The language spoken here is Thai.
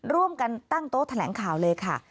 ร่วมกันตั้งโต๊ะแถลงข่าวเลยค่ะ